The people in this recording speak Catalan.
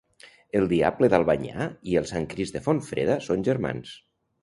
El diable d'Albanyà i el Sant Crist de Fontfreda són germans.